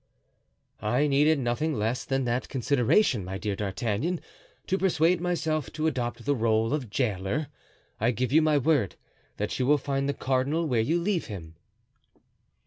"I needed nothing less than that consideration, my dear D'Artagnan, to persuade myself to adopt the role of jailer. I give you my word that you will find the cardinal where you leave him."